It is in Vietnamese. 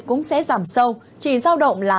cũng sẽ giảm sâu chỉ giao động là